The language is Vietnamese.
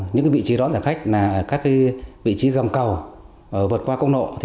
những vị trí đón trả khách là các vị trí gầm cầu vượt qua công nộ